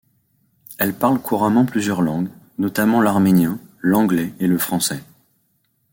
Elle parle couramment plusieurs langues, notamment l'arménien, l'anglais et le français.